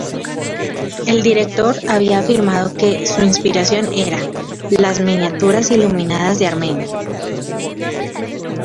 El director había afirmado que su inspiración era "las miniaturas iluminadas de Armenia.